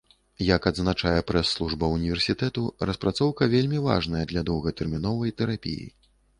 Як адзначае прэс-служба ўніверсітэту, распрацоўка вельмі важная для доўгатэрміновай тэрапіі.